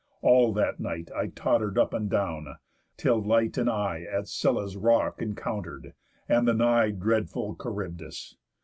All that night I totter'd up and down, till Light and I At Scylla's rock encounter'd, and the nigh Dreadful Charybdis.